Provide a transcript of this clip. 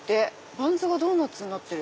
バンズがドーナツになってる。